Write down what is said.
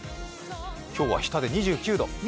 今日は日田で２９度。